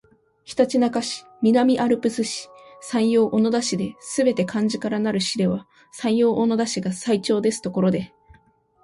ひたちなか市、南アルプス市、山陽小野田市ですべて漢字からなる市では山陽小野田市が最長ですところで